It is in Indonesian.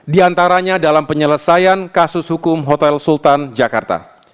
di antaranya dalam penyelesaian kasus hukum hotel sultan jakarta